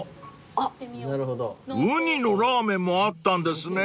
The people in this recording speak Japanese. ［ウニのラーメンもあったんですね］